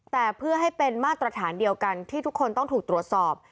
แต่เพื่อให้เป็นมาตรฐานเดียวกันที่ทุกคนต้องถูกตรวจสอบ